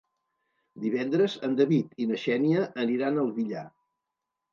Divendres en David i na Xènia aniran al Villar.